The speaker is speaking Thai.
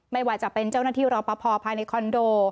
ไม่ว่าจะเป็นเจ้าหน้าที่รอปภภายในคอนโด